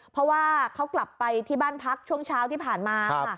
เพราะว่าเขากลับไปที่บ้านพักช่วงเช้าที่ผ่านมา